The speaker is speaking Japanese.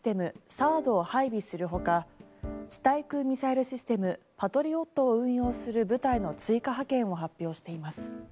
ＴＨＡＡＤを配備するほか地対空ミサイルシステムパトリオットを運用する部隊の追加派遣を発表しています。